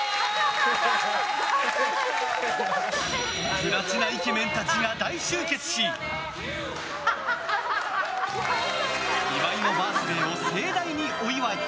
プラチナイケメンたちが大集結し岩井のバースデーを盛大にお祝い。